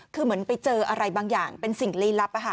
คือเหมือนไปเจออะไรบางอย่างเป็นสิ่งลี้ลับ